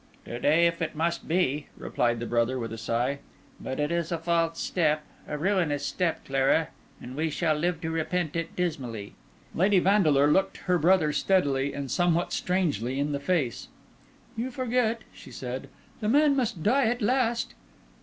"To day, if it must be," replied the brother, with a sigh. "But it is a false step, a ruinous step, Clara; and we shall live to repent it dismally." Lady Vandeleur looked her brother steadily and somewhat strangely in the face. "You forget," she said; "the man must die at last."